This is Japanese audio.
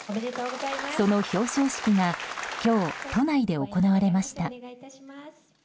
その表彰式が今日、都内で行われました。